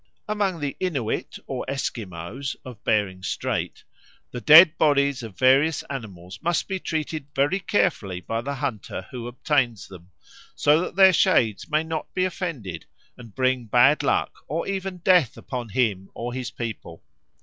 Among the Inuit or Esquimaux of Bering Strait "the dead bodies of various animals must be treated very carefully by the hunter who obtains them, so that their shades may not be offended and bring bad luck or even death upon him or his people."